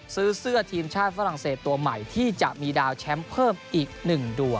ซื้อเสื้อทีมชาติฝรั่งเศสตัวใหม่ที่จะมีดาวแชมป์เพิ่มอีก๑ดวง